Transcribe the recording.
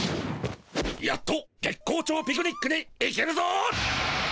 やっと月光町ピクニックに行けるぞ。